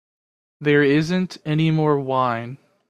There isn't any more wine.